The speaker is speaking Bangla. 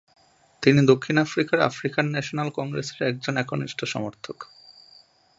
তিনি দক্ষিণ আফ্রিকার আফ্রিকান ন্যাশনাল কংগ্রেসের একজন একনিষ্ঠ সমর্থক।